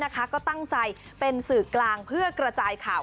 ก็ตั้งใจเป็นสื่อกลางเพื่อกระจายข่าว